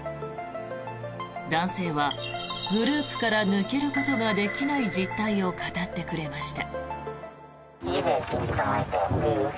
男性はグループから抜けることができない実態を語ってくれました。